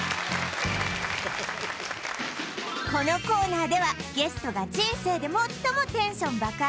このコーナーではゲストが人生で最もテンション爆